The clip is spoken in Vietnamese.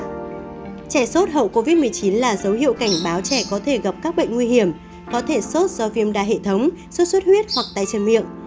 trẻ sốt hậu covid một mươi chín là dấu hiệu cảnh báo trẻ có thể gặp các bệnh nguy hiểm có thể sốt do viêm đa hệ thống sốt xuất huyết hoặc tay chân miệng